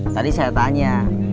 tadi saya tanya